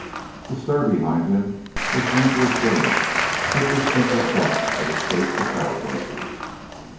A stir behind him was ample assurance that this simple point had escaped the cowpunchers.